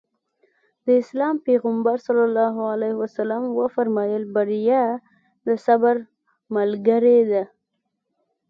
د اسلام پيغمبر ص وفرمايل بريا د صبر ملګرې ده.